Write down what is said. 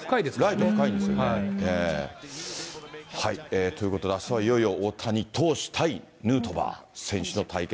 ライト深いんですよね。ということで、あすはいよいよ大谷投手対ヌートバー選手の対決。